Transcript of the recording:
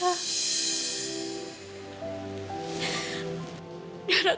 dara udah kehilangan sahabat dara ma